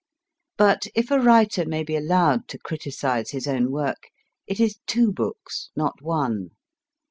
But if a writer may be allowed to criticise his own work, it is two books, not one.